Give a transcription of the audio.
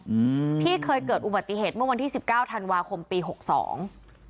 อืมที่เคยเกิดอุบัติเหตุเมื่อวันที่สิบเก้าธันวาคมปีหกสอง